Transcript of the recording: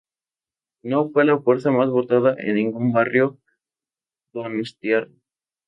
No fue la fuerza más votada en ningún barrio donostiarra.